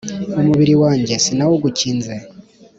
umubiri wanjye sinawugukinze